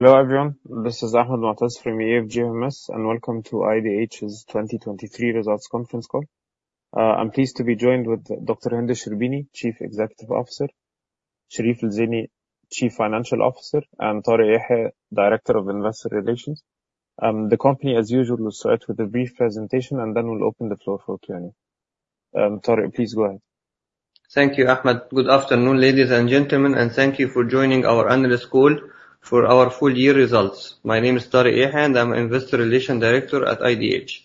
Hello everyone, this is Ahmed El-Muhtaseb from EFG Hermes, and welcome to IDH's 2023 results conference call. I'm pleased to be joined with Dr. Hend El-Sherbini, Chief Executive Officer; Sherif El-Zeiny, Chief Financial Officer; and Tarek Yehia, Director of Investor Relations. The company, as usual, will start with a brief presentation and then we'll open the floor for Q&A. Tarek, please go ahead. Thank you, Ahmed. Good afternoon, ladies and gentlemen, and thank you for joining our analyst call for our full-year results. My name is Tarek Yehia, and I'm Investor Relations Director at IDH.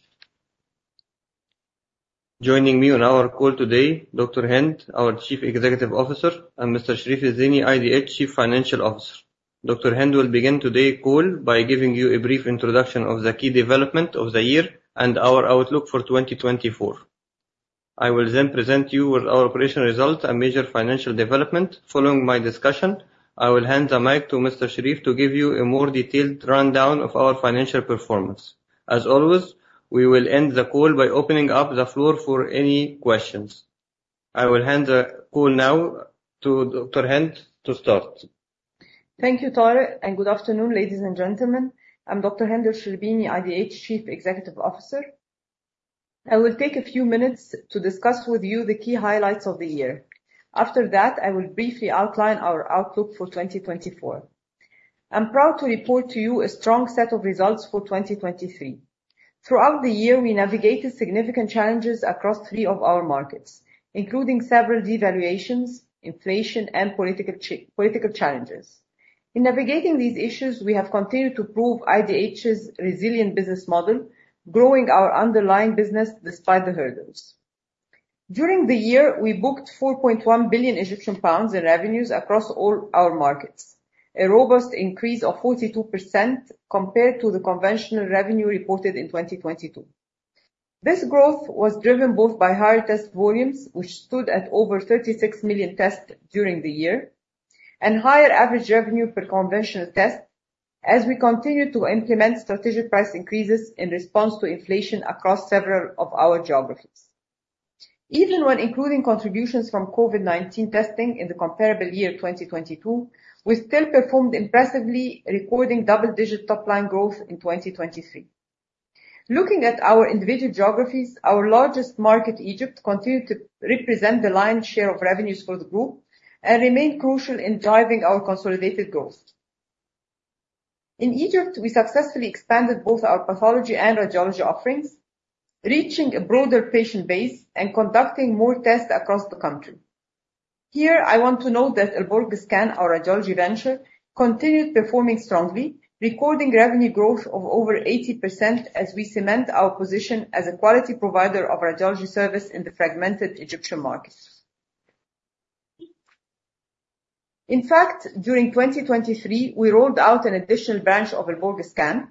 Joining me on our call today, Dr. Hend, our Chief Executive Officer, and Mr. Sherif El-Zeiny, IDH Chief Financial Officer. Dr. Hend will begin today's call by giving you a brief introduction of the key development of the year and our outlook for 2024. I will then present you with our operational results and major financial developments. Following my discussion, I will hand the mic to Mr. Sherif to give you a more detailed rundown of our financial performance. As always, we will end the call by opening up the floor for any questions. I will hand the call now to Dr. Hend to start. Thank you, Tarek, and good afternoon, ladies and gentlemen. I'm Dr. Hend El-Sherbini, IDH Chief Executive Officer. I will take a few minutes to discuss with you the key highlights of the year. After that, I will briefly outline our outlook for 2024. I'm proud to report to you a strong set of results for 2023. Throughout the year, we navigated significant challenges across three of our markets, including several devaluations, inflation, and political challenges. In navigating these issues, we have continued to prove IDH's resilient business model, growing our underlying business despite the hurdles. During the year, we booked 4.1 billion Egyptian pounds in revenues across all our markets, a robust increase of 42% compared to the conventional revenue reported in 2022. This growth was driven both by higher test volumes, which stood at over 36 million tests during the year, and higher average revenue per conventional test, as we continued to implement strategic price increases in response to inflation across several of our geographies. Even when including contributions from COVID-19 testing in the comparable year 2022, we still performed impressively, recording double-digit top-line growth in 2023. Looking at our individual geographies, our largest market, Egypt, continued to represent the lion's share of revenues for the group and remained crucial in driving our consolidated growth. In Egypt, we successfully expanded both our pathology and radiology offerings, reaching a broader patient base and conducting more tests across the country. Here, I want to note that Al Borg Scan, our radiology venture, continued performing strongly, recording revenue growth of over 80% as we cement our position as a quality provider of radiology service in the fragmented Egyptian market. In fact, during 2023, we rolled out an additional branch of Al Borg Scan.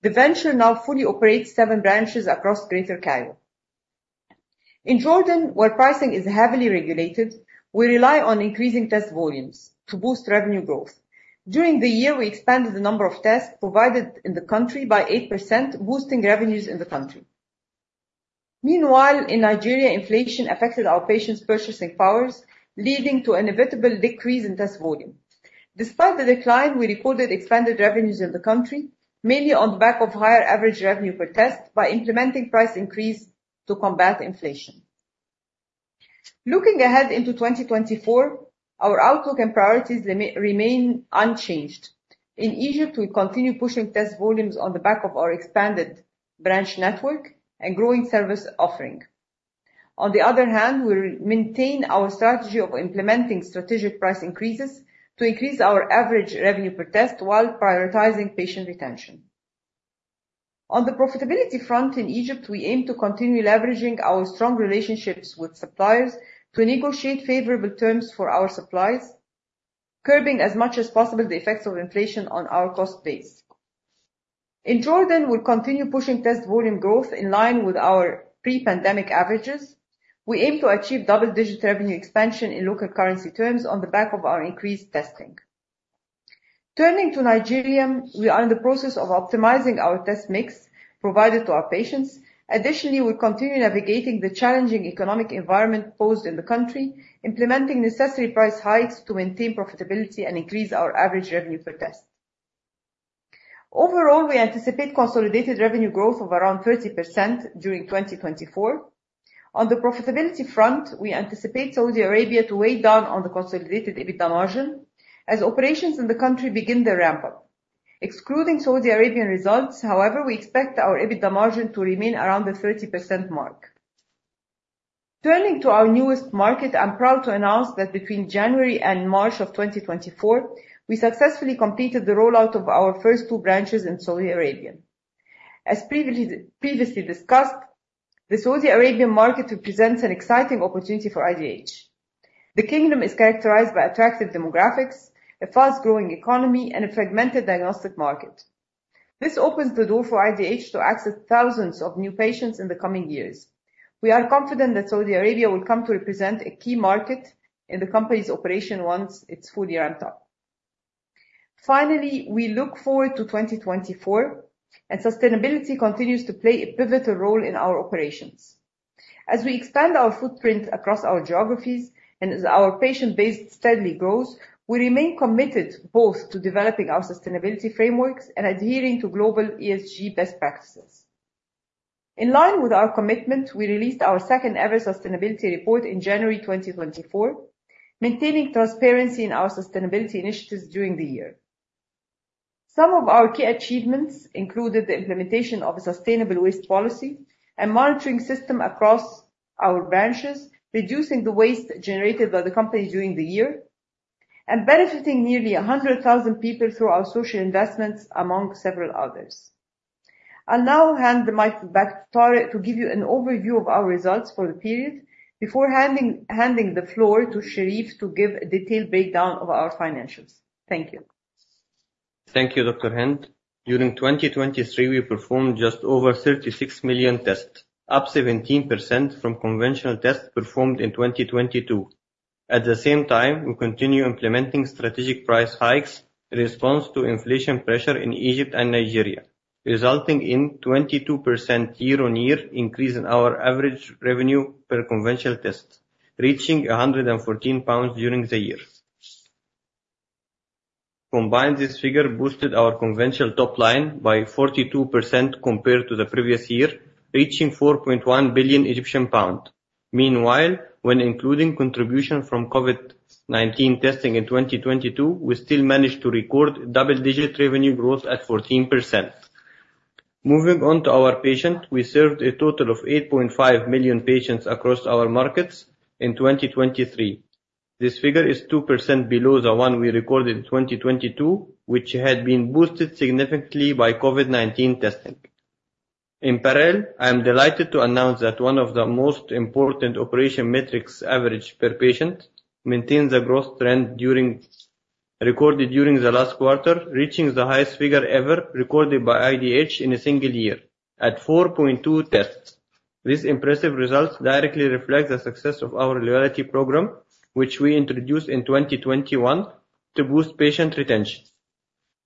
The venture now fully operates seven branches across Greater Cairo. In Jordan, where pricing is heavily regulated, we rely on increasing test volumes to boost revenue growth. During the year, we expanded the number of tests provided in the country by 8%, boosting revenues in the country. Meanwhile, in Nigeria, inflation affected our patients' purchasing powers, leading to an inevitable decrease in test volume. Despite the decline, we recorded expanded revenues in the country, mainly on the back of higher average revenue per test by implementing price increases to combat inflation. Looking ahead into 2024, our outlook and priorities remain unchanged. In Egypt, we continue pushing test volumes on the back of our expanded branch network and growing service offering. On the other hand, we maintain our strategy of implementing strategic price increases to increase our average revenue per test while prioritizing patient retention. On the profitability front in Egypt, we aim to continue leveraging our strong relationships with suppliers to negotiate favorable terms for our supplies, curbing as much as possible the effects of inflation on our cost base. In Jordan, we'll continue pushing test volume growth in line with our pre-pandemic averages. We aim to achieve double-digit revenue expansion in local currency terms on the back of our increased testing. Turning to Nigeria, we are in the process of optimizing our test mix provided to our patients. Additionally, we'll continue navigating the challenging economic environment posed in the country, implementing necessary price hikes to maintain profitability and increase our average revenue per test. Overall, we anticipate consolidated revenue growth of around 30% during 2024. On the profitability front, we anticipate Saudi Arabia to weigh down on the consolidated EBITDA margin as operations in the country begin their ramp-up. Excluding Saudi Arabian results, however, we expect our EBITDA margin to remain around the 30% mark. Turning to our newest market, I'm proud to announce that between January and March of 2024, we successfully completed the rollout of our first two branches in Saudi Arabia. As previously discussed, the Saudi Arabian market represents an exciting opportunity for IDH. The Kingdom is characterized by attractive demographics, a fast-growing economy, and a fragmented diagnostic market. This opens the door for IDH to access thousands of new patients in the coming years. We are confident that Saudi Arabia will come to represent a key market in the company's operation once its full-year ramp-up. Finally, we look forward to 2024, and sustainability continues to play a pivotal role in our operations. As we expand our footprint across our geographies and as our patient base steadily grows, we remain committed both to developing our sustainability frameworks and adhering to global ESG best practices. In line with our commitment, we released our second-ever sustainability report in January 2024, maintaining transparency in our sustainability initiatives during the year. Some of our key achievements included the implementation of a sustainable waste policy, a monitoring system across our branches reducing the waste generated by the company during the year, and benefiting nearly 100,000 people through our social investments, among several others. I'll now hand the mic back to Tarek to give you an overview of our results for the period before handing the floor to Sherif to give a detailed breakdown of our financials. Thank you. Thank you, Dr. Hend. During 2023, we performed just over 36 million tests, up 17% from conventional tests performed in 2022. At the same time, we continue implementing strategic price hikes in response to inflation pressure in Egypt and Nigeria, resulting in a 22% year-on-year increase in our average revenue per conventional test, reaching 114 pounds during the year. Combined, this figure boosted our conventional top-line by 42% compared to the previous year, reaching 4.1 billion Egyptian pounds. Meanwhile, when including contributions from COVID-19 testing in 2022, we still managed to record double-digit revenue growth at 14%. Moving on to our patients, we served a total of 8.5 million patients across our markets in 2023. This figure is 2% below the one we recorded in 2022, which had been boosted significantly by COVID-19 testing. In parallel, I am delighted to announce that one of the most important operational metrics averaged per patient maintains a growth trend recorded during the last quarter, reaching the highest figure ever recorded by IDH in a single year at 4.2 tests. This impressive result directly reflects the success of our loyalty program, which we introduced in 2021 to boost patient retention.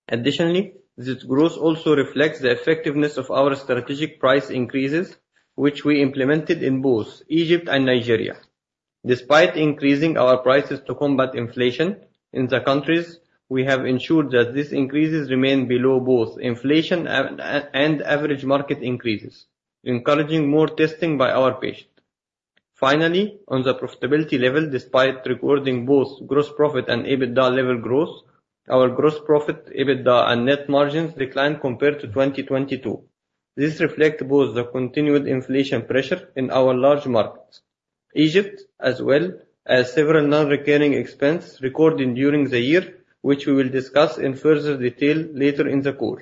Additionally, this growth also reflects the effectiveness of our strategic price increases, which we implemented in both Egypt and Nigeria. Despite increasing our prices to combat inflation in the countries, we have ensured that these increases remain below both inflation and average market increases, encouraging more testing by our patients. Finally, on the profitability level, despite recording both gross profit and EBITDA level growth, our gross profit, EBITDA, and net margins declined compared to 2022. This reflects both the continued inflation pressure in our large markets, Egypt, as well as several non-recurring expenses recorded during the year, which we will discuss in further detail later in the call.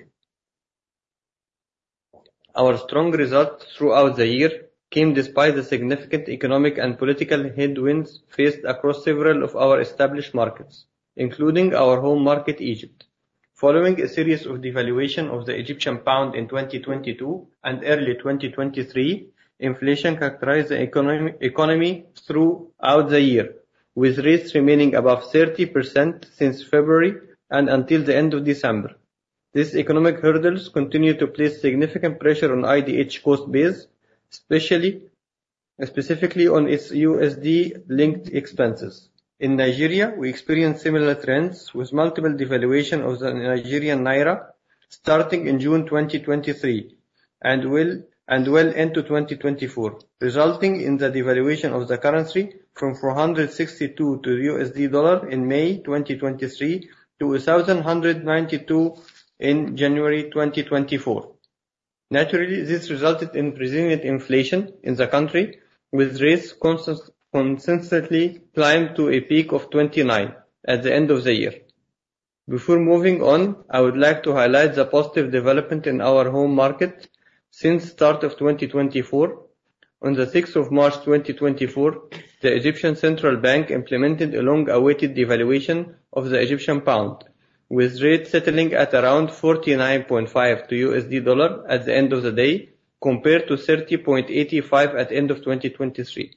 Our strong results throughout the year came despite the significant economic and political headwinds faced across several of our established markets, including our home market, Egypt. Following a series of devaluations of the Egyptian pound in 2022 and early 2023, inflation characterized the economy throughout the year, with rates remaining above 30% since February and until the end of December. These economic hurdles continue to place significant pressure on IDH's cost base, specifically on its USD-linked expenses. In Nigeria, we experienced similar trends, with multiple devaluations of the Nigerian naira starting in June 2023 and well into 2024, resulting in the devaluation of the currency from NGN 462 to the USD in May 2023 to 1,192 in January 2024. Naturally, this resulted in resilient inflation in the country, with rates consistently climbing to a peak of 29% at the end of the year. Before moving on, I would like to highlight the positive developments in our home market since the start of 2024. On March 6, 2024, the Central Bank of Egypt implemented a long-awaited devaluation of the Egyptian pound, with rates settling at around EGP 49.50 to the USD at the end of the day compared to 30.85 at the end of 2023.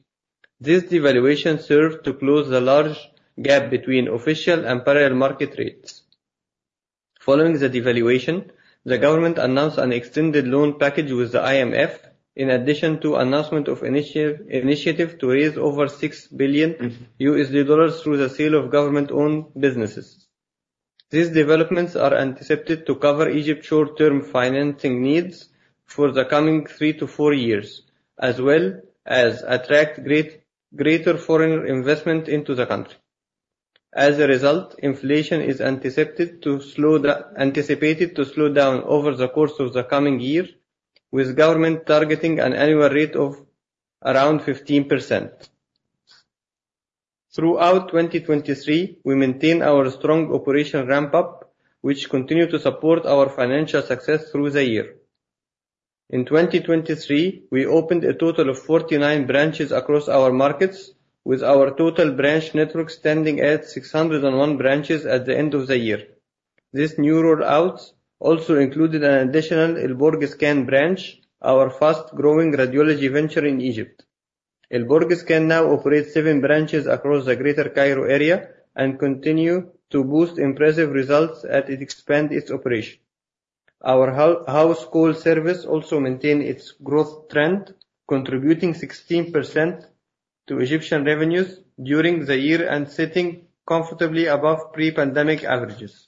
This devaluation served to close the large gap between official and parallel market rates. Following the devaluation, the government announced an extended loan package with the IMF, in addition to an announcement of an initiative to raise over $6 billion through the sale of government-owned businesses. These developments are anticipated to cover Egypt's short-term financing needs for the coming 3-4 years, as well as attract greater foreign investment into the country. As a result, inflation is anticipated to slow down over the course of the coming year, with the government targeting an annual rate of around 15%. Throughout 2023, we maintained our strong operational ramp-up, which continued to support our financial success through the year. In 2023, we opened a total of 49 branches across our markets, with our total branch network standing at 601 branches at the end of the year. This new rollout also included an additional Al Borg Scan branch, our fast-growing radiology venture in Egypt. Al Borg Scan now operates seven branches across the Greater Cairo area and continues to boost impressive results as it expands its operations. Our house call service also maintains its growth trend, contributing 16% to Egyptian revenues during the year and sitting comfortably above pre-pandemic averages.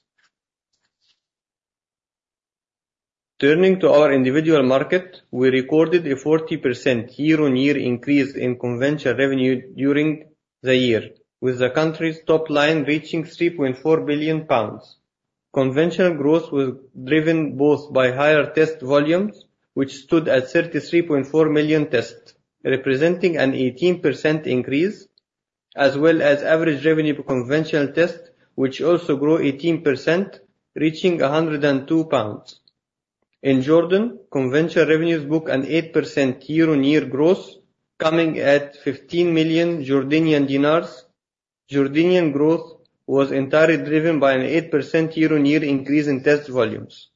Turning to our Egyptian market, we recorded a 40% year-on-year increase in conventional revenue during the year, with the country's top-line reaching 3.4 billion pounds. Conventional growth was driven both by higher test volumes, which stood at 33.4 million tests, representing an 18% increase, as well as average revenue per conventional test, which also grew 18%, reaching 102 pounds. In Jordan, conventional revenues booked an 8% year-on-year growth, coming at JOD 15 million. Jordanian growth was entirely driven by an 8% year-on-year increase in test volumes.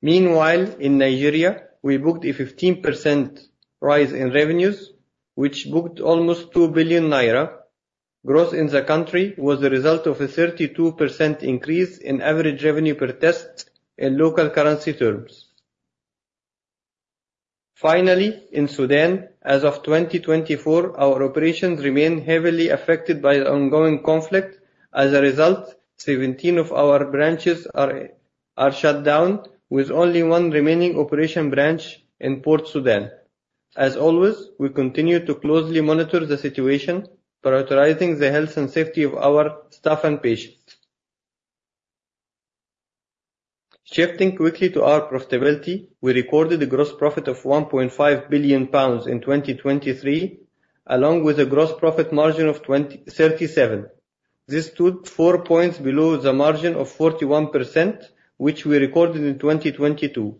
Meanwhile, in Nigeria, we booked a 15% rise in revenues, which booked almost 2 billion naira. Growth in the country was the result of a 32% increase in average revenue per test in local currency terms. Finally, in Sudan, as of 2024, our operations remain heavily affected by the ongoing conflict. As a result, 17 of our branches are shut down, with only one remaining operational branch in Port Sudan. As always, we continue to closely monitor the situation, prioritizing the health and safety of our staff and patients. Shifting quickly to our profitability, we recorded a gross profit of 1.5 billion pounds in 2023, along with a gross profit margin of 37%. This stood four points below the margin of 41%, which we recorded in 2022.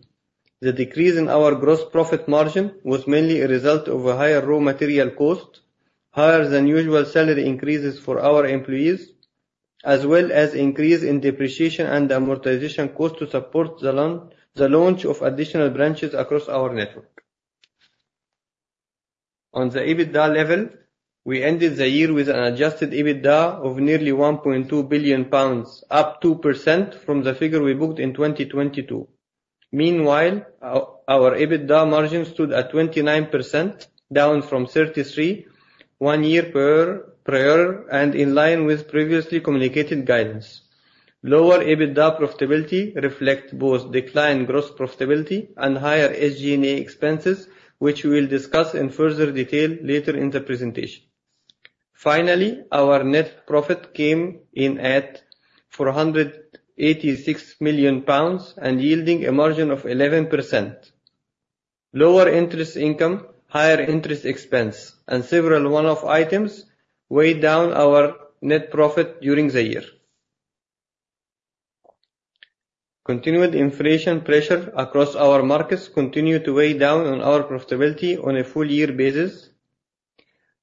The decrease in our gross profit margin was mainly a result of higher raw material costs, higher-than-usual salary increases for our employees, as well as an increase in depreciation and amortization costs to support the launch of additional branches across our network. On the EBITDA level, we ended the year with an adjusted EBITDA of nearly 1.2 billion pounds, up 2% from the figure we booked in 2022. Meanwhile, our EBITDA margin stood at 29%, down from 33% one year prior and in line with previously communicated guidance. Lower EBITDA profitability reflects both declined gross profitability and higher SG&A expenses, which we will discuss in further detail later in the presentation. Finally, our net profit came in at 486 million pounds and yielded a margin of 11%. Lower interest income, higher interest expenses, and several one-off items weighed down our net profit during the year. Continued inflation pressure across our markets continued to weigh down on our profitability on a full-year basis.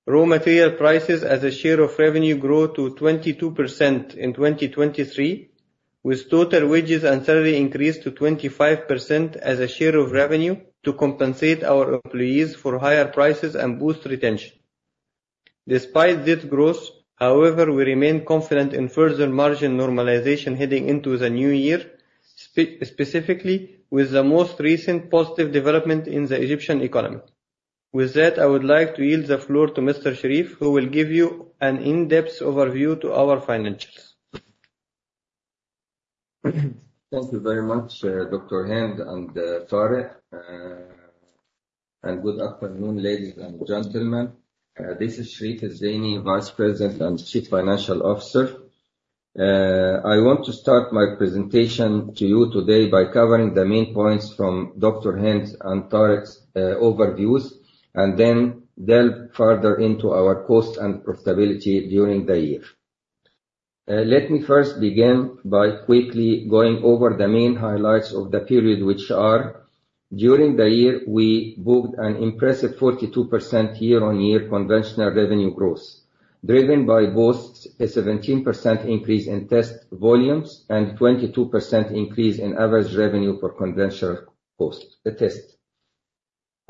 Raw material prices as a share of revenue grew to 22% in 2023, with total wages and salary increased to 25% as a share of revenue to compensate our employees for higher prices and boost retention. Despite this growth, however, we remain confident in further margin normalization heading into the new year, specifically with the most recent positive developments in the Egyptian economy. With that, I would like to yield the floor to Mr. Sherif, who will give you an in-depth overview of our financials. Thank you very much, Dr. Hend and Tarek. Good afternoon, ladies and gentlemen. This is Sherif El-Zeiny, Vice President and Chief Financial Officer. I want to start my presentation to you today by covering the main points from Dr. Hend and Tarek's overviews, and then delve further into our costs and profitability during the year. Let me first begin by quickly going over the main highlights of the period, which are: During the year, we booked an impressive 42% year-on-year conventional revenue growth, driven by both a 17% increase in test volumes and a 22% increase in average revenue per conventional test.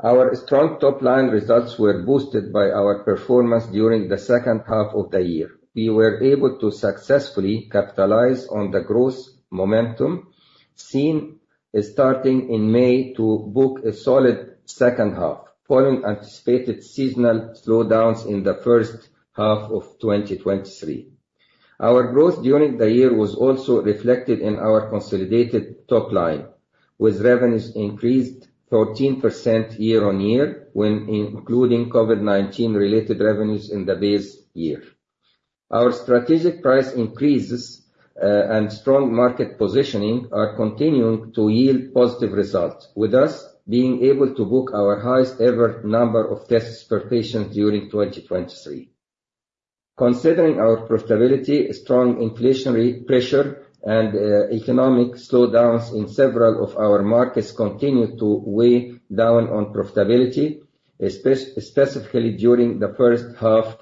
Our strong top-line results were boosted by our performance during the second half of the year. We were able to successfully capitalize on the growth momentum seen starting in May to book a solid second half, following anticipated seasonal slowdowns in the first half of 2023. Our growth during the year was also reflected in our consolidated top-line, with revenues increased 14% year-over-year, including COVID-19-related revenues in the base year. Our strategic price increases and strong market positioning are continuing to yield positive results, with us being able to book our highest-ever number of tests per patient during 2023. Considering our profitability, strong inflationary pressure, and economic slowdowns in several of our markets continue to weigh down on profitability, especially during the first half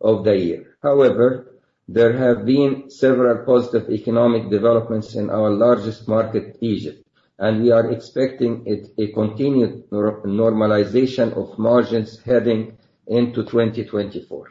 of the year. However, there have been several positive economic developments in our largest market, Egypt, and we are expecting a continued normalization of margins heading into 2024.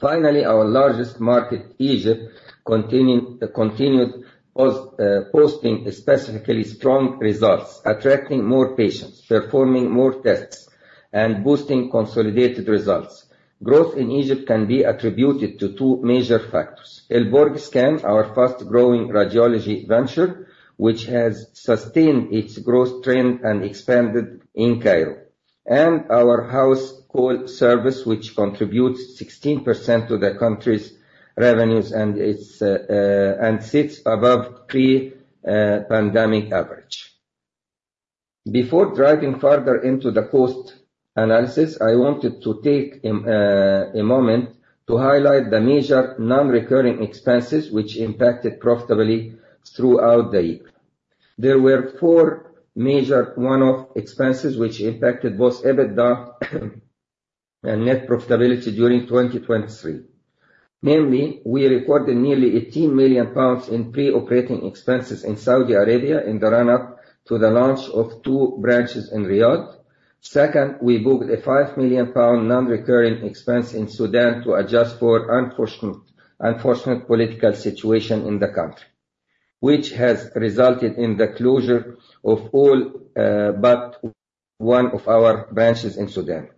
Finally, our largest market, Egypt, continued posting specifically strong results, attracting more patients, performing more tests, and boosting consolidated results. Growth in Egypt can be attributed to two major factors: Al Borg Scan, our fast-growing radiology venture, which has sustained its growth trend and expanded in Cairo; and our house call service, which contributes 16% to the country's revenues and sits above pre-pandemic average. Before diving further into the cost analysis, I wanted to take a moment to highlight the major non-recurring expenses which impacted profitability throughout the year. There were four major one-off expenses which impacted both EBITDA and net profitability during 2023. Namely, we recorded nearly 18 million pounds in pre-operating expenses in Saudi Arabia in the run-up to the launch of two branches in Riyadh. Second, we booked a 5 million pound non-recurring expense in Sudan to adjust for the unfortunate political situation in the country, which has resulted in the closure of all but one of our branches in Sudan.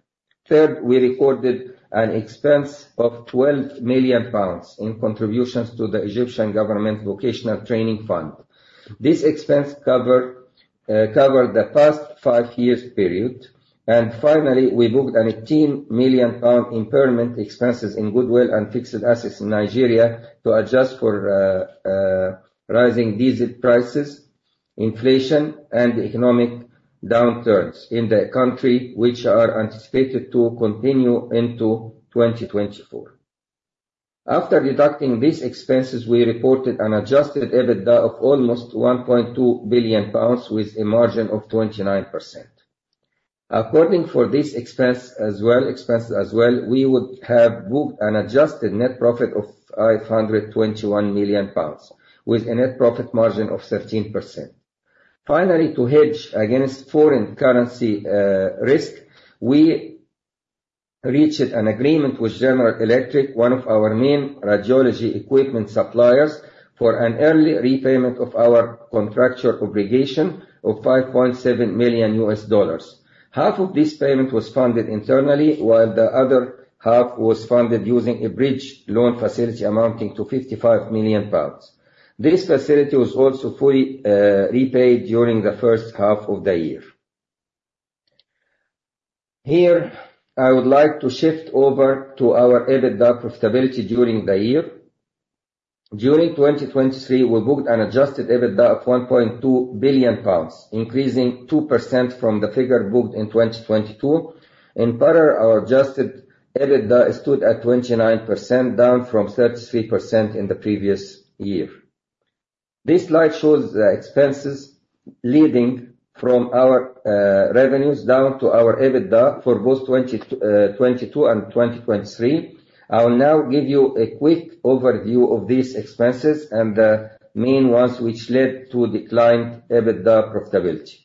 Third, we recorded an expense of 12 million pounds in contributions to the Egyptian Government Vocational Training Fund. This expense covered the past five years' period. And finally, we booked an 18 million pound impairment expenses in goodwill and fixed assets in Nigeria to adjust for rising diesel prices, inflation, and economic downturns in the country, which are anticipated to continue into 2024. After deducting these expenses, we reported an adjusted EBITDA of almost 1.2 billion pounds, with a margin of 29%. According to these expenses as well, we would have booked an adjusted net profit of 521 million pounds, with a net profit margin of 13%. Finally, to hedge against foreign currency risk, we reached an agreement with General Electric, one of our main radiology equipment suppliers, for an early repayment of our contractual obligation of $5.7 million. Half of this payment was funded internally, while the other half was funded using a bridge loan facility amounting to 55 million pounds. This facility was also fully repaid during the first half of the year. Here, I would like to shift over to our EBITDA profitability during the year. During 2023, we booked an adjusted EBITDA of 1.2 billion pounds, increasing 2% from the figure booked in 2022. In parallel, our adjusted EBITDA stood at 29%, down from 33% in the previous year. This slide shows the expenses leading from our revenues down to our EBITDA for both 2022 and 2023. I will now give you a quick overview of these expenses and the main ones which led to declined EBITDA profitability.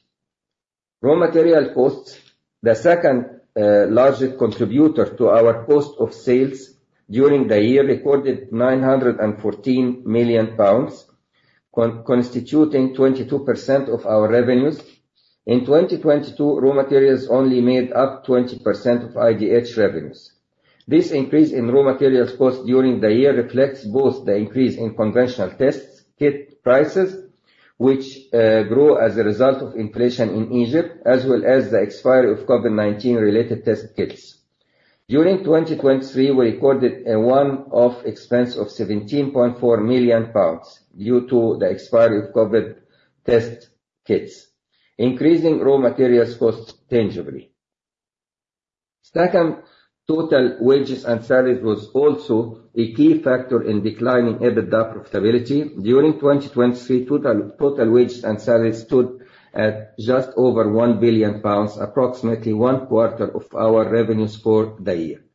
Raw material costs: The second largest contributor to our cost of sales during the year recorded 914 million pounds, constituting 22% of our revenues. In 2022, raw materials only made up 20% of IDH revenues. This increase in raw materials costs during the year reflects both the increase in conventional test kit prices, which grew as a result of inflation in Egypt, as well as the expiry of COVID-19-related test kits. During 2023, we recorded one-off expenses of 17.4 million pounds due to the expiry of COVID test kits, increasing raw materials costs tangibly. Second, total wages and salaries were also a key factor in declining EBITDA profitability. During 2023, total wages and salaries stood at just over 1 billion pounds, approximately one-quarter of our revenues for the year.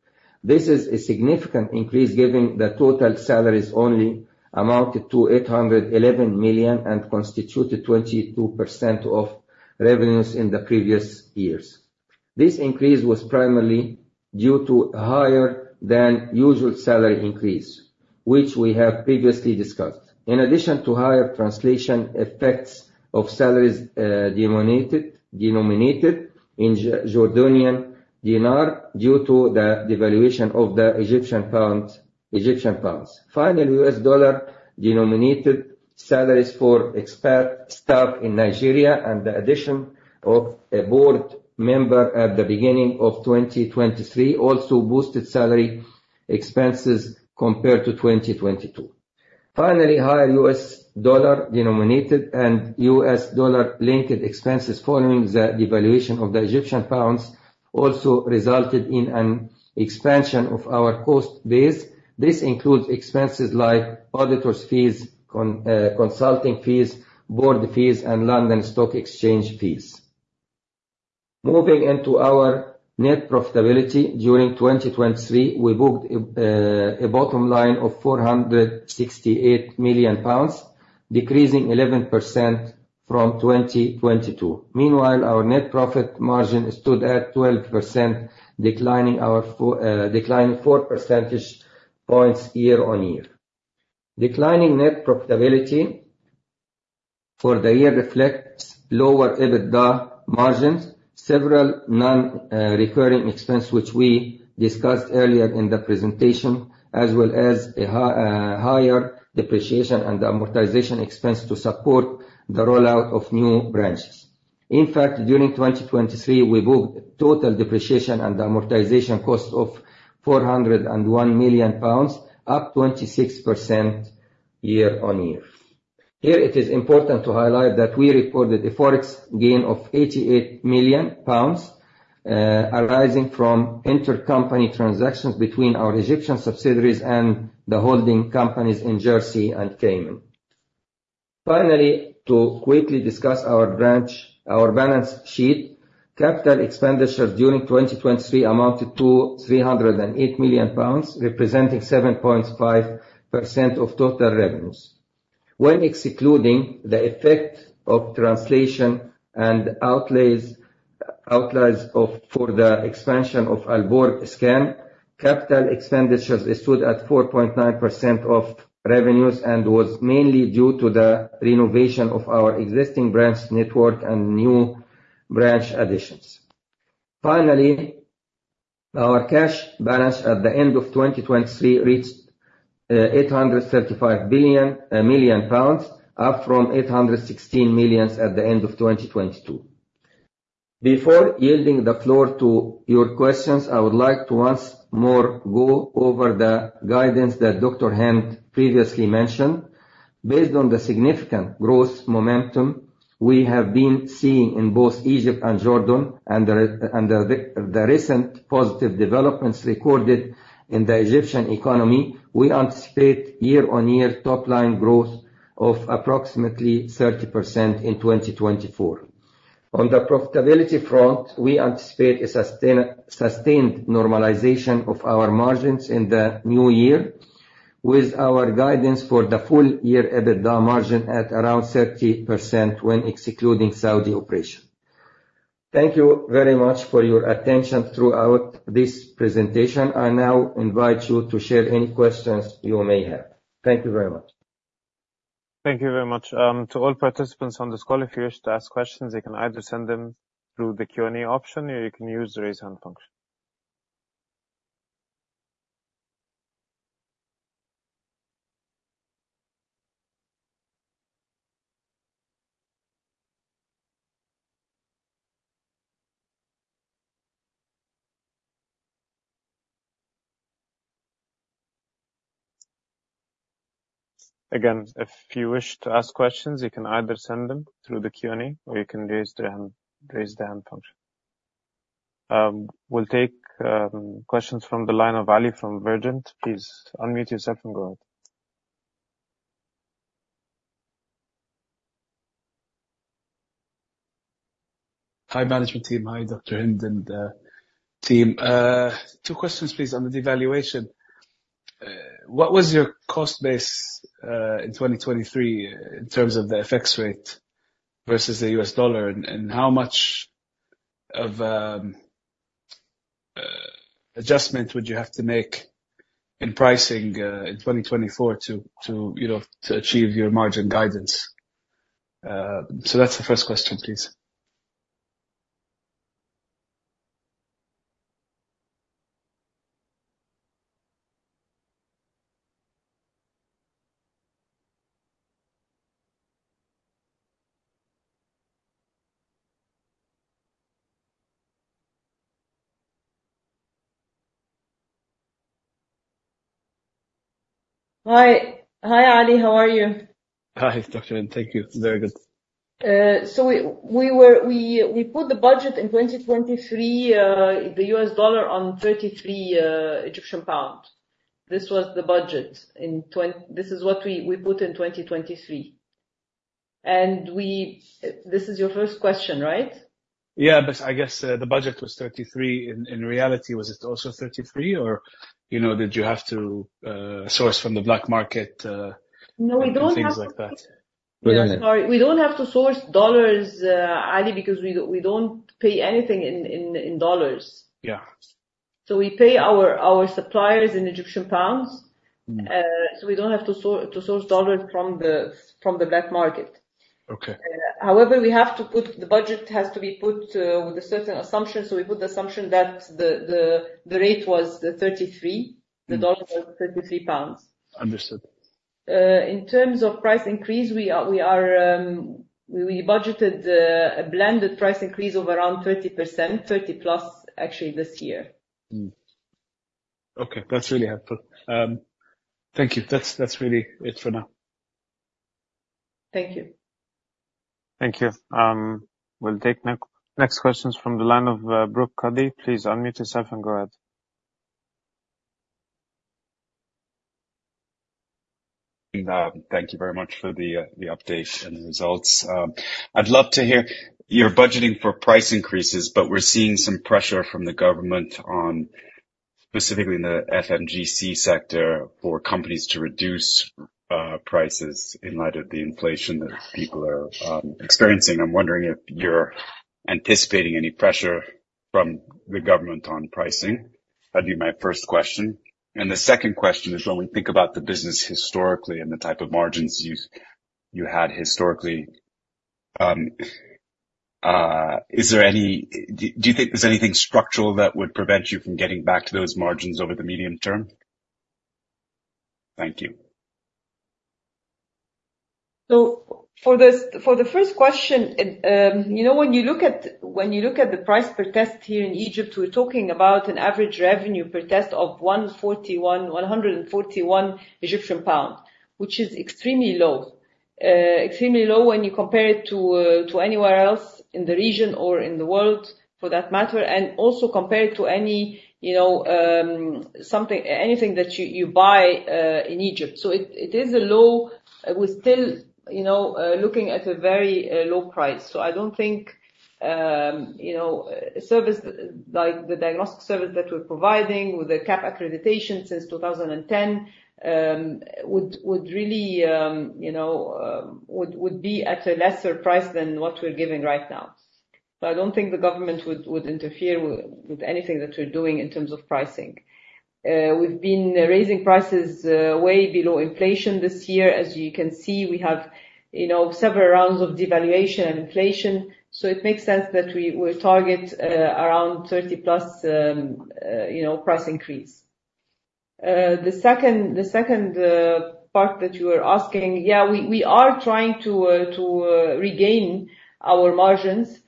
This is a significant increase, given that total salaries only amounted to 811 million and constituted 22% of revenues in the previous years. This increase was primarily due to a higher-than-usual salary increase, which we have previously discussed, in addition to higher translation effects of salaries denominated in Jordanian dinar due to the devaluation of the Egyptian pounds. Finally, US dollar-denominated salaries for expert staff in Nigeria and the addition of a board member at the beginning of 2023 also boosted salary expenses compared to 2022. Finally, higher US dollar-denominated and US dollar-linked expenses following the devaluation of the Egyptian pounds also resulted in an expansion of our cost base. This includes expenses like auditors' fees, consulting fees, board fees, and London Stock Exchange fees. Moving into our net profitability: During 2023, we booked a bottom line of 468 million pounds, decreasing 11% from 2022. Meanwhile, our net profit margin stood at 12%, declining 4 percentage points year-on-year. Declining net profitability for the year reflects lower EBITDA margins, several non-recurring expenses which we discussed earlier in the presentation, as well as a higher depreciation and amortization expense to support the rollout of new branches. In fact, during 2023, we booked total depreciation and amortization costs of 401 million pounds, up 26% year-on-year. Here, it is important to highlight that we recorded a forex gain of 88 million pounds, arising from intercompany transactions between our Egyptian subsidiaries and the holding companies in Jersey and Cayman. Finally, to quickly discuss our balance sheet: Capital expenditures during 2023 amounted to 308 million pounds, representing 7.5% of total revenues. When excluding the effect of translation and outlays for the expansion of Al Borg Scan, capital expenditures stood at 4.9% of revenues and was mainly due to the renovation of our existing branch network and new branch additions. Finally, our cash balance at the end of 2023 reached 835 million pounds, up from 816 million at the end of 2022. Before yielding the floor to your questions, I would like to once more go over the guidance that Dr. Hend previously mentioned. Based on the significant growth momentum we have been seeing in both Egypt and Jordan, and the recent positive developments recorded in the Egyptian economy, we anticipate year-on-year top-line growth of approximately 30% in 2024. On the profitability front, we anticipate a sustained normalization of our margins in the new year, with our guidance for the full-year EBITDA margin at around 30% when excluding Saudi operations. Thank you very much for your attention throughout this presentation. I now invite you to share any questions you may have. Thank you very much. Thank you very much. To all participants on this call, if you wish to ask questions, you can either send them through the Q&A option or you can use the raise hand function. Again, if you wish to ask questions, you can either send them through the Q&A or you can raise the hand function. We'll take questions from the line of Ali from Vergent. Please unmute yourself and go ahead. Hi, management team. Hi, Dr. Hend and team. Two questions, please, on the devaluation. What was your cost base in 2023 in terms of the FX rate versus the US dollar, and how much of adjustment would you have to make in pricing in 2024 to achieve your margin guidance? So that's the first question, please. Hi, Ali. How are you? Hi, Dr. Hend. Thank you. Very good. We put the budget in 2023, the US dollar, on 33 Egyptian pound. This was the budget. This is what we put in 2023. This is your first question, right? Yeah, but I guess the budget was 33. In reality, was it also 33, or did you have to source from the black market and things like that? No, we don't have to. Go ahead, Ali. Sorry. We don't have to source dollars, Ali, because we don't pay anything in dollars. So we pay our suppliers in Egyptian pounds, so we don't have to source dollars from the black market. However, we have to put the budget has to be put with a certain assumption. So we put the assumption that the rate was 33. The dollar was 33 pounds. Understood. In terms of price increase, we budgeted a blended price increase of around 30%, 30+, actually, this year. Okay. That's really helpful. Thank you. That's really it for now. Thank you. Thank you. We'll take next questions from the line of Brooke Kaddi. Please unmute yourself and go ahead. Thank you very much for the update and the results. I'd love to hear you're budgeting for price increases, but we're seeing some pressure from the government, specifically in the FMCG sector, for companies to reduce prices in light of the inflation that people are experiencing. I'm wondering if you're anticipating any pressure from the government on pricing. That'd be my first question. The second question is, when we think about the business historically and the type of margins you had historically, do you think there's anything structural that would prevent you from getting back to those margins over the medium term? Thank you. So for the first question, when you look at the price per test here in Egypt, we're talking about an average revenue per test of 141, which is extremely low, extremely low when you compare it to anywhere else in the region or in the world, for that matter, and also compare it to anything that you buy in Egypt. So it is a low. We're still looking at a very low price. So I don't think a service like the diagnostic service that we're providing with the CAP Accreditation since 2010 would really be at a lesser price than what we're giving right now. So I don't think the government would interfere with anything that we're doing in terms of pricing. We've been raising prices way below inflation this year. As you can see, we have several rounds of devaluation and inflation, so it makes sense that we target around 30+ price increase. The second part that you were asking, yeah, we are trying to regain our margins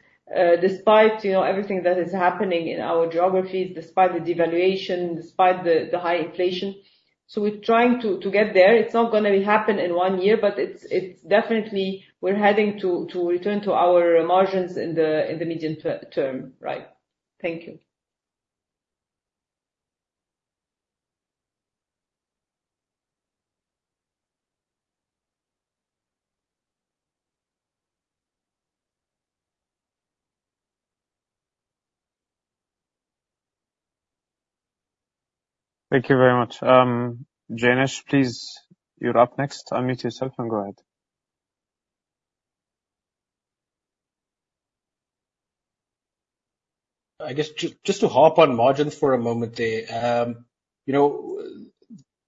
despite everything that is happening in our geographies, despite the devaluation, despite the high inflation. So we're trying to get there. It's not going to happen in one year, but definitely, we're heading to return to our margins in the medium term, right? Thank you. Thank you very much. Ganesh, please, you're up next. Unmute yourself and go ahead. I guess just to hop on margins for a moment, there.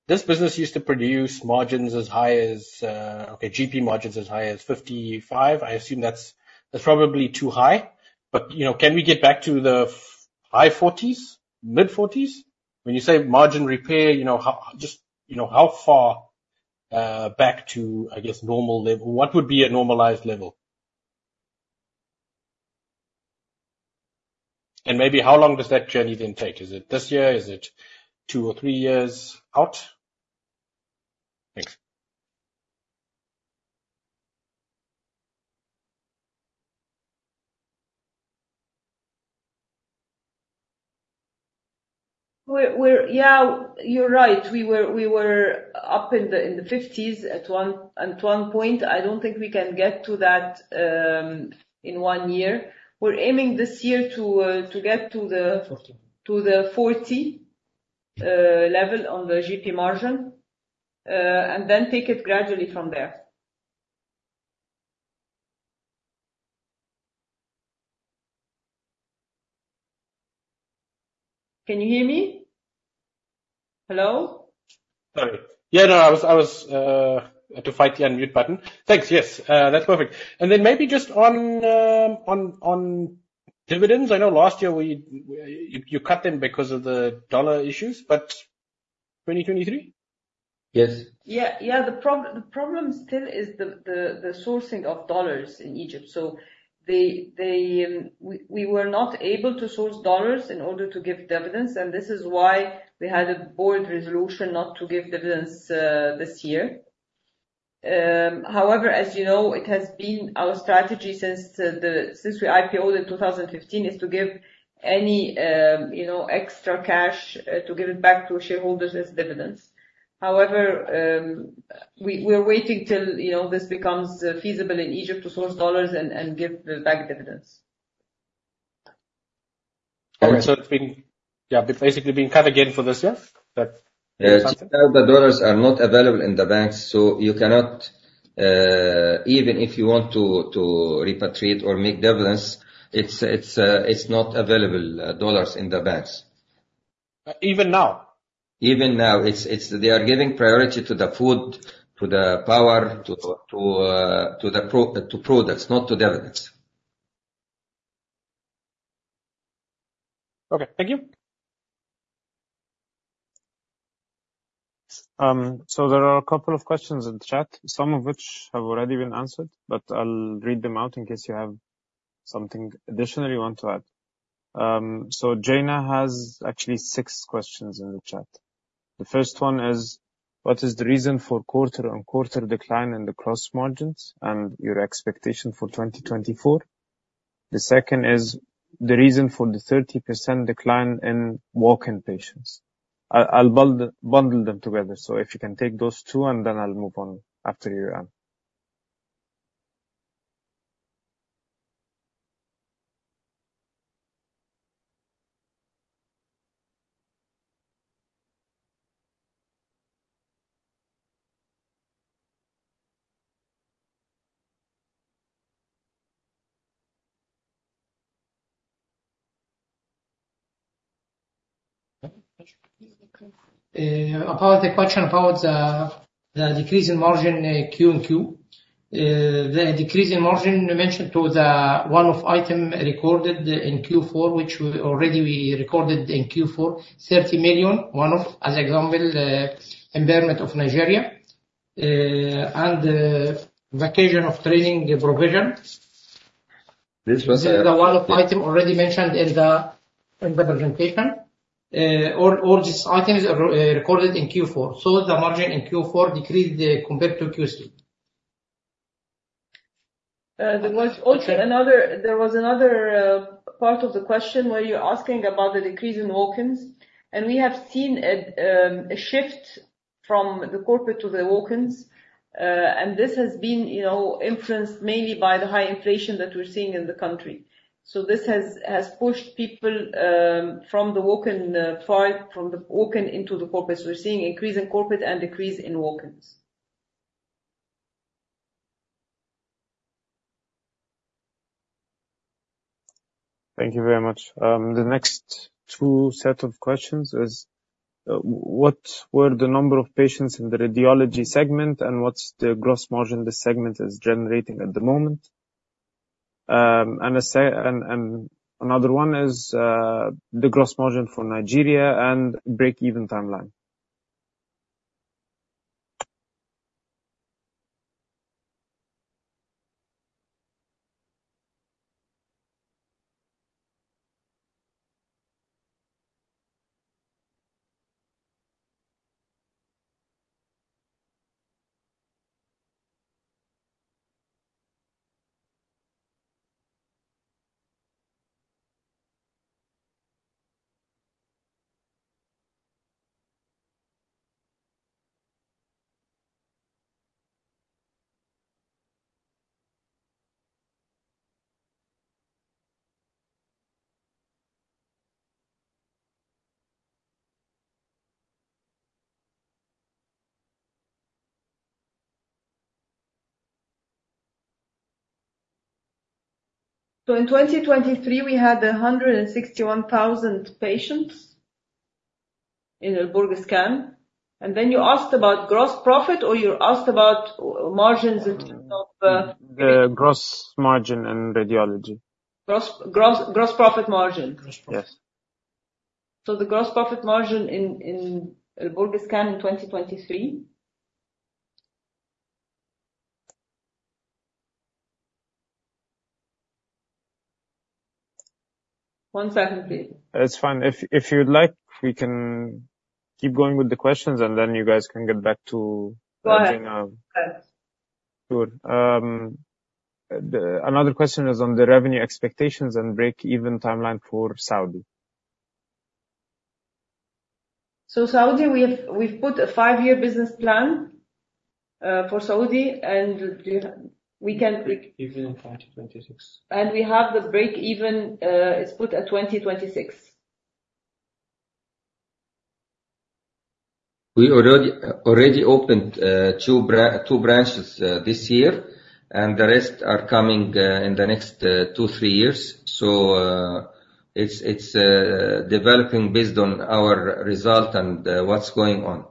This business used to produce margins as high as okay, GP margins as high as 55%. I assume that's probably too high. But can we get back to the high 40s, mid 40s? When you say margin repair, just how far back to, I guess, normal level? What would be a normalized level? And maybe how long does that journey then take? Is it this year? Is it 2 or 3 years out? Thanks. Yeah, you're right. We were up in the 50s at one point. I don't think we can get to that in one year. We're aiming this year to get to the 40 level on the GP margin and then take it gradually from there. Can you hear me? Hello? Sorry. Yeah, no, I was fighting the unmute button. Thanks. Yes, that's perfect. And then maybe just on dividends, I know last year you cut them because of the dollar issues, but 2023? Yes. Yeah, yeah. The problem still is the sourcing of US dollars in Egypt. So we were not able to source US dollars in order to give dividends, and this is why we had a board resolution not to give dividends this year. However, as you know, it has been our strategy since we IPOed in 2015 is to give any extra cash to give it back to shareholders as dividends. However, we're waiting till this becomes feasible in Egypt to source US dollars and give back dividends. All right. So it's been, yeah, basically being cut again for this year? Yeah. The dollars are not available in the banks, so you cannot even if you want to repatriate or make dividends. It's not available dollars in the banks. Even now? Even now. They are giving priority to the food, to the power, to the products, not to dividends. Okay. Thank you. So there are a couple of questions in the chat, some of which have already been answered, but I'll read them out in case you have something additional you want to add. So Zeina has actually six questions in the chat. The first one is, what is the reason for quarter-on-quarter decline in the gross margins and your expectation for 2024? The second is, the reason for the 30% decline in walk-in patients. I'll bundle them together, so if you can take those two, and then I'll move on after you're done. Apology, question about the decrease in margin QoQ. The decrease in margin you mentioned to the one-off item recorded in Q4, which already we recorded in Q4, 30 million, one-off, as example, impairment of Nigeria and Vocational Training provision. This was. This is the one-off item already mentioned in the presentation. All these items are recorded in Q4. The margin in Q4 decreased compared to Q2. There was also another part of the question where you're asking about the decrease in walk-ins, and we have seen a shift from the corporate to the walk-ins, and this has been influenced mainly by the high inflation that we're seeing in the country. So this has pushed people from the walk-in into the corporate. So we're seeing increase in corporate and decrease in walk-ins. Thank you very much. The next two set of questions is, what were the number of patients in the radiology segment, and what's the gross margin this segment is generating at the moment? Another one is the gross margin for Nigeria and break-even timeline. In 2023, we had 161,000 patients in Al Borg Scan. Then you asked about gross profit, or you asked about margins in terms of. Gross margin in radiology. Gross profit margin. Gross profit. Yes. The gross profit margin in Al Borg Scan in 2023? One second, please. It's fine. If you'd like, we can keep going with the questions, and then you guys can get back to. Go ahead. Sure. Another question is on the revenue expectations and break-even timeline for Saudi. Saudi, we've put a five-year business plan for Saudi, and we can. Even in 2026. We have the break-even is put at 2026. We already opened two branches this year, and the rest are coming in the next two, three years. So it's developing based on our result and what's going on.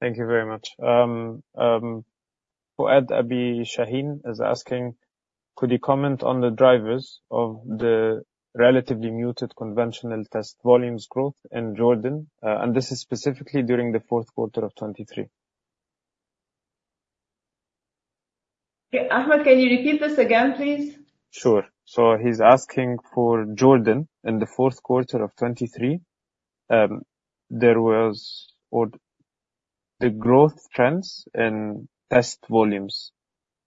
Thank you very much. Fouad Abi-Chahine is asking, could you comment on the drivers of the relatively muted conventional test volumes growth in Jordan? And this is specifically during the fourth quarter of 2023. Ahmad, can you repeat this again, please? Sure. So he's asking for Jordan in the fourth quarter of 2023, the growth trends in test volumes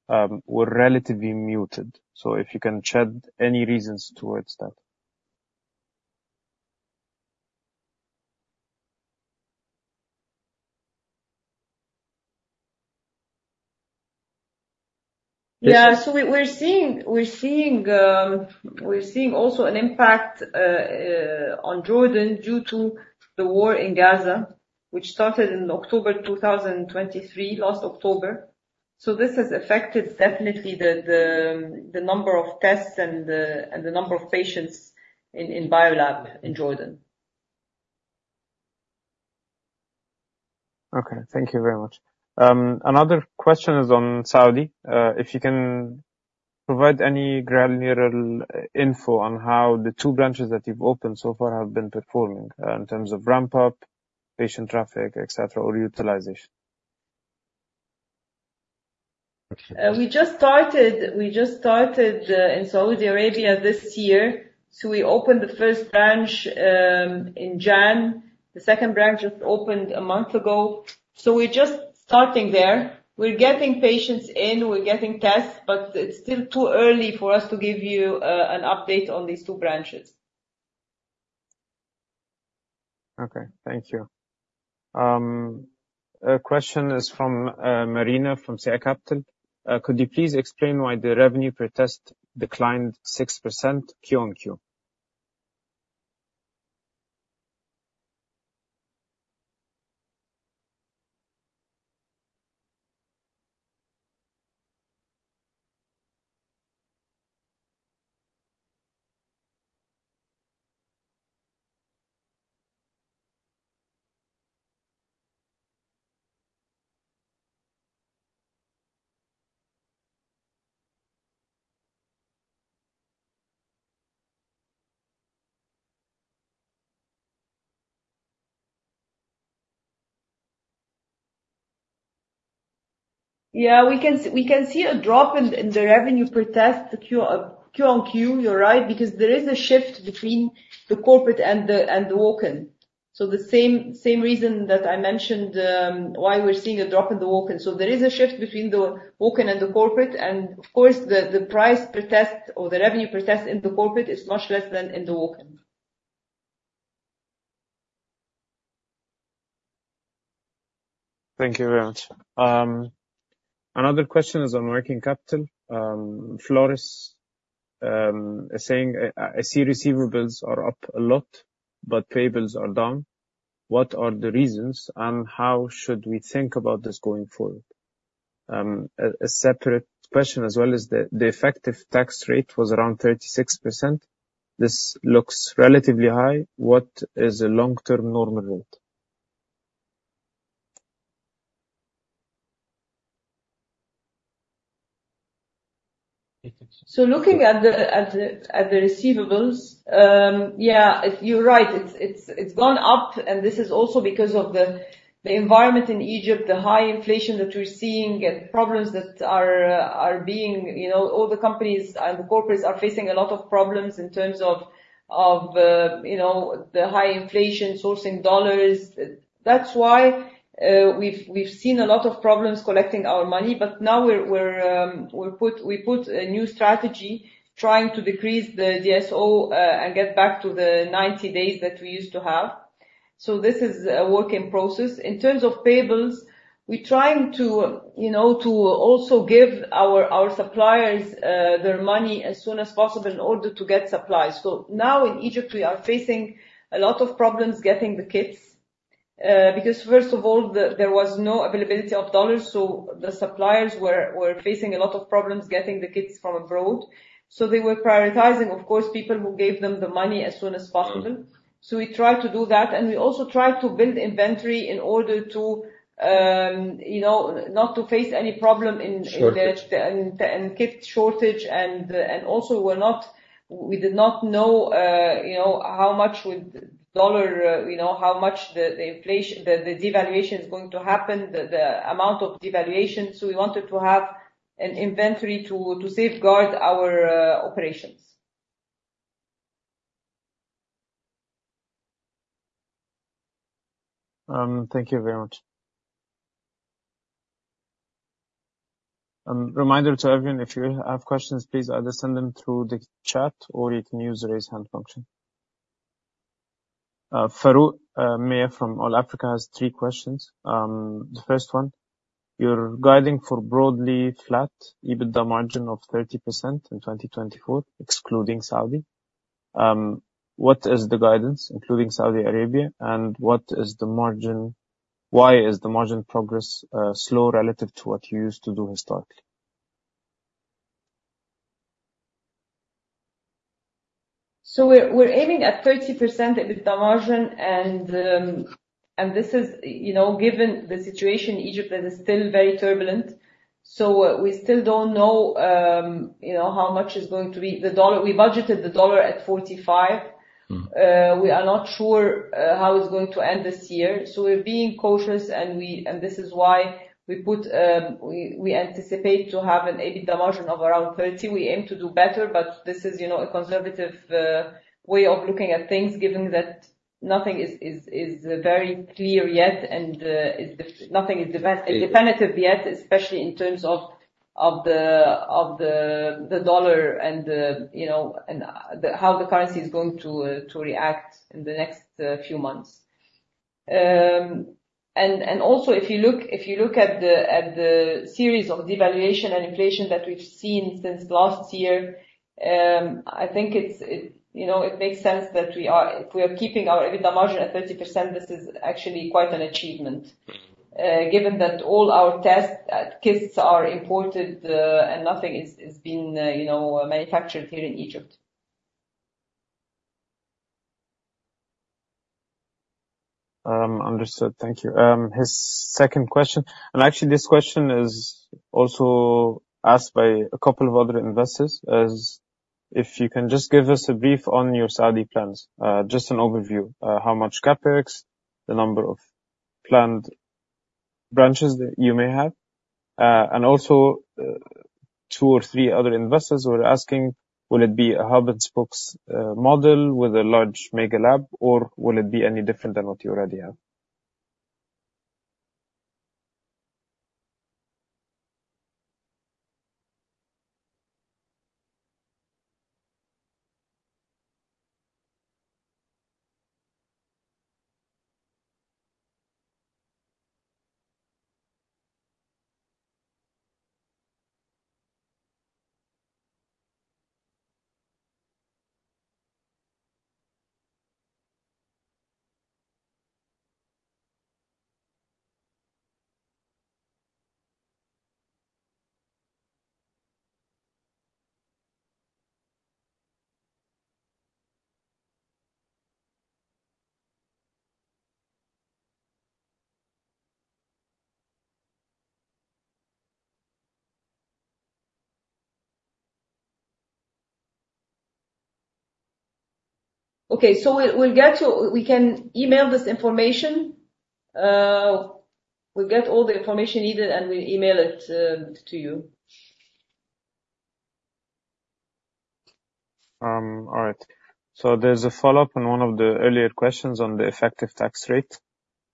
were relatively muted. So if you can shed any reasons towards that? Yeah. So we're seeing also an impact on Jordan due to the war in Gaza, which started in October 2023, last October. So this has affected definitely the number of tests and the number of patients in Biolab in Jordan. Okay. Thank you very much. Another question is on Saudi. If you can provide any granular info on how the 2 branches that you've opened so far have been performing in terms of ramp-up, patient traffic, etc., or utilization? We just started in Saudi Arabia this year, so we opened the first branch in January. The second branch just opened a month ago. So we're just starting there. We're getting patients in. We're getting tests, but it's still too early for us to give you an update on these two branches. Okay. Thank you. A question is from Marina from CI Capital. Could you please explain why the revenue per test declined 6% Q on Q? Yeah, we can see a drop in the revenue per test Q on Q. You're right because there is a shift between the corporate and the walk-in. So the same reason that I mentioned why we're seeing a drop in the walk-in. So there is a shift between the walk-in and the corporate, and of course, the price per test or the revenue per test in the corporate is much less than in the walk-in. Thank you very much. Another question is on Working Capital. Floris is saying, "I see receivables are up a lot, but payables are down. What are the reasons, and how should we think about this going forward?" A separate question as well is, "The effective tax rate was around 36%. This looks relatively high. What is a long-term normal rate? So looking at the receivables, yeah, you're right. It's gone up, and this is also because of the environment in Egypt, the high inflation that we're seeing, and problems that all the companies and the corporates are facing a lot of problems in terms of the high inflation, sourcing dollars. That's why we've seen a lot of problems collecting our money, but now we put a new strategy trying to decrease the DSO and get back to the 90 days that we used to have. So this is a work in process. In terms of payables, we're trying to also give our suppliers their money as soon as possible in order to get supplies. So now in Egypt, we are facing a lot of problems getting the kits because, first of all, there was no availability of US dollars, so the suppliers were facing a lot of problems getting the kits from abroad. So they were prioritizing, of course, people who gave them the money as soon as possible. So we tried to do that, and we also tried to build inventory in order to not face any problem in kit shortage, and also we did not know how much would dollar how much the devaluation is going to happen, the amount of devaluation. So we wanted to have an inventory to safeguard our operations. Thank you very much. Reminder to everyone, if you have questions, please either send them through the chat, or you can use the raise hand function. Farouk Miah from Old Mutual has three questions. The first one, "Your guiding for broadly flat EBITDA margin of 30% in 2024, excluding Saudi, what is the guidance, including Saudi Arabia, and what is the margin? Why is the margin progress slow relative to what you used to do historically? So we're aiming at 30% EBITDA margin, and this is given the situation in Egypt that is still very turbulent. So we still don't know how much the US dollar is going to be. We budgeted the US dollar at 45. We are not sure how it's going to end this year. So we're being cautious, and this is why we anticipate to have an EBITDA margin of around 30%. We aim to do better, but this is a conservative way of looking at things given that nothing is very clear yet and nothing is definitive yet, especially in terms of the US dollar and how the currency is going to react in the next few months. Also, if you look at the series of devaluation and inflation that we've seen since last year, I think it makes sense that we are keeping our EBITDA margin at 30%. This is actually quite an achievement given that all our test kits are imported and nothing has been manufactured here in Egypt. Understood. Thank you. His second question and actually, this question is also asked by a couple of other investors. If you can just give us a brief on your Saudi plans, just an overview, how much CAPEX, the number of planned branches that you may have. And also, two or three other investors were asking, will it be a hub-and-spoke model with a large mega lab, or will it be any different than what you already have? Okay. So we'll email this information. We'll get all the information needed, and we'll email it to you. All right. So there's a follow-up on one of the earlier questions on the effective tax rate.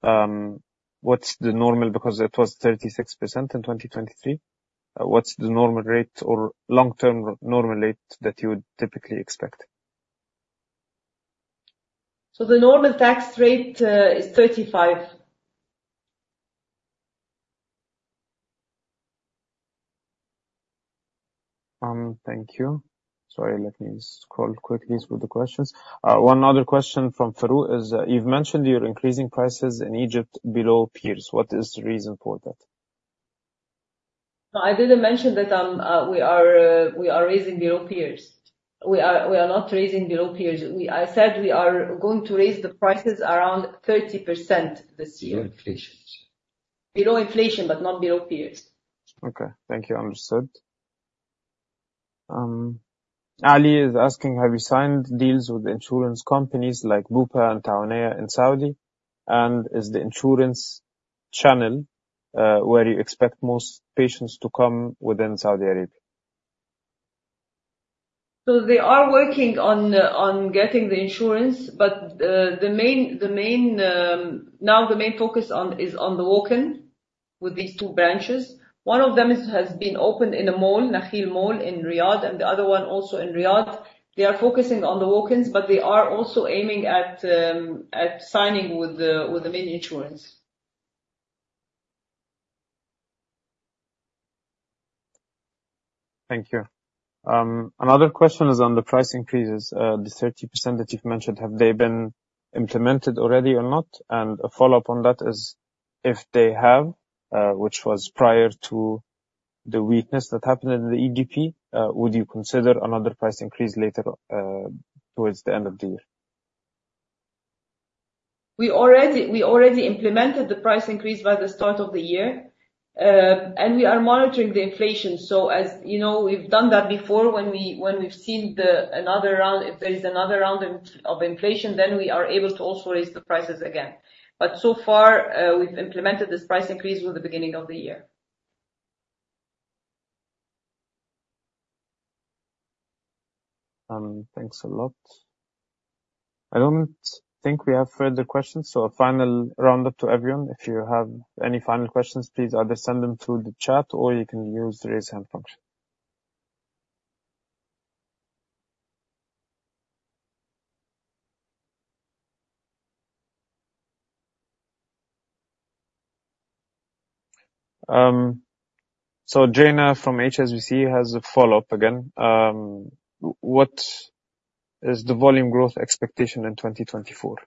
What's the normal, because it was 36% in 2023? What's the normal rate or long-term normal rate that you would typically expect? The normal tax rate is 35%. Thank you. Sorry. Let me scroll quickly through the questions. One other question from Farouk is, "You've mentioned you're increasing prices in Egypt below peers. What is the reason for that? I didn't mention that we are raising below peers. We are not raising below peers. I said we are going to raise the prices around 30% this year. Below inflation. Below inflation, but not below peers. Okay. Thank you. Understood. Ali is asking, "Have you signed deals with insurance companies like Bupa and Tawuniya in Saudi, and is the insurance channel where you expect most patients to come within Saudi Arabia? So they are working on getting the insurance, but now the main focus is on the walk-in with these two branches. One of them has been opened in a mall, Nakheel Mall, in Riyadh, and the other one also in Riyadh. They are focusing on the walk-ins, but they are also aiming at signing with the main insurance. Thank you. Another question is on the price increases. The 30% that you've mentioned, have they been implemented already or not? A follow-up on that is, if they have, which was prior to the weakness that happened in the EGP, would you consider another price increase later towards the end of the year? We already implemented the price increase by the start of the year, and we are monitoring the inflation. So as we've done that before, when we've seen another round if there is another round of inflation, then we are able to also raise the prices again. But so far, we've implemented this price increase with the beginning of the year. Thanks a lot. I don't think we have further questions. A final roundup to everyone. If you have any final questions, please either send them through the chat, or you can use the raise hand function. Jana from HSBC has a follow-up again. What is the volume growth expectation in 2024?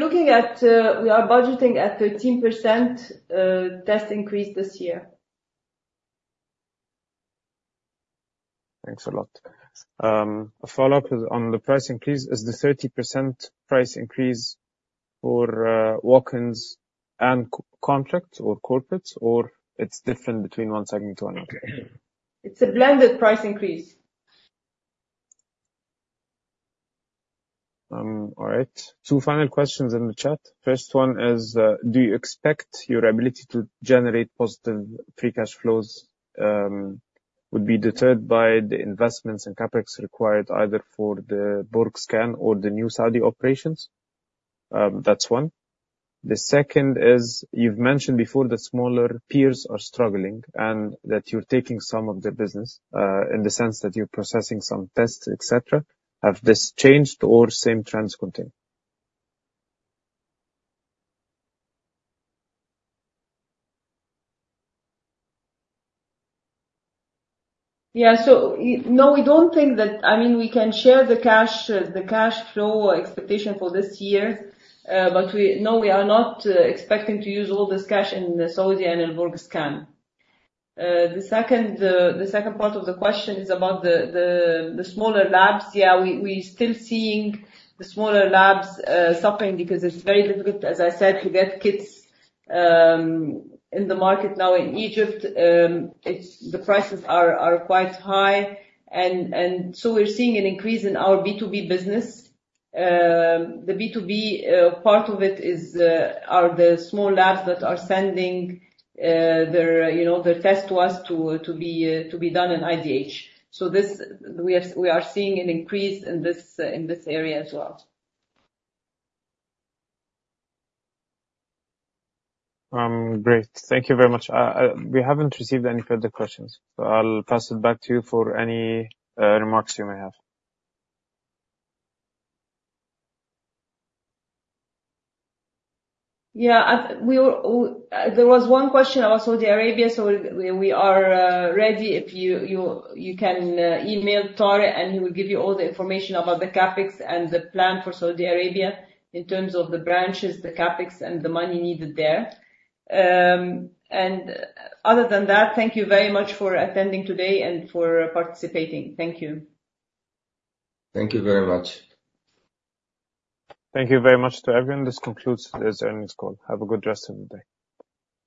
We're budgeting at 13% test increase this year. Thanks a lot. A follow-up on the price increase, is the 30% price increase for walk-ins and contracts or corporates, or it's different between one segment to another? It's a blended price increase. All right. Two final questions in the chat. First one is, "Do you expect your ability to generate positive free cash flows would be deterred by the investments and CAPEX required either for the Al Borg Scan or the new Saudi operations?" That's one. The second is, "You've mentioned before that smaller peers are struggling and that you're taking some of their business in the sense that you're processing some tests, etc. Have this changed or same trends continue? Yeah. So no, we don't think that I mean, we can share the cash flow expectation for this year, but no, we are not expecting to use all this cash in Saudi and in Al Borg Scan. The second part of the question is about the smaller labs. Yeah, we're still seeing the smaller labs suffering because it's very difficult, as I said, to get kits in the market now in Egypt. The prices are quite high, and so we're seeing an increase in our B2B business. The B2B part of it are the small labs that are sending their tests to us to be done in IDH. So we are seeing an increase in this area as well. Great. Thank you very much. We haven't received any further questions, so I'll pass it back to you for any remarks you may have. Yeah. There was one question about Saudi Arabia, so we are ready. You can email Tarek, and he will give you all the information about the CAPEX and the plan for Saudi Arabia in terms of the branches, the CAPEX, and the money needed there. Other than that, thank you very much for attending today and for participating. Thank you. Thank you very much. Thank you very much to everyone. This concludes this earnings call. Have a good rest of the day.